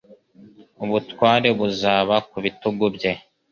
ubutware buzaba ku bitugu bye.